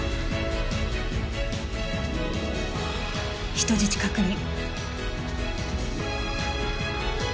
人質確認。